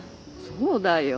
そうだよ。